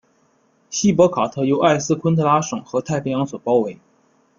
锡帕卡特由埃斯昆特拉省和太平洋所包围。